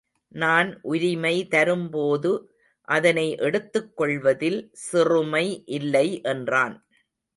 நான் உரிமை தரும்போது அதனை எடுத்துக்கொள்வதில் சிறுமை இல்லை என்றான்.